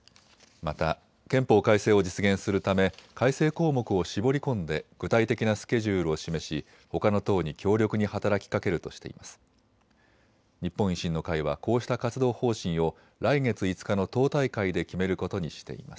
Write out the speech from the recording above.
また憲法改正を実現するため改正項目を絞り込んで具体的なスケジュールを示しほかの党に強力に働きかけるとしています。